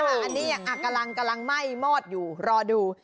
อันนี้ยังกำลังไหม้มอดอยู่รอดู